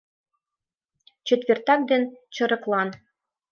Четвертак ден чырыклан.